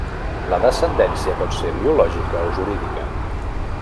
La descendència pot ser biològica o jurídica.